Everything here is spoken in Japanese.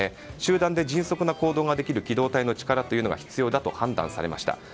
集団で迅速な行動ができる機動隊の力というのが必要だと判断されました。